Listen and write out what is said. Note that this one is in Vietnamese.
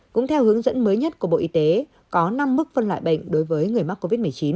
cũng theo hướng dẫn mới nhất của bộ y tế có năm mức phân loại bệnh đối với người mắc covid một mươi chín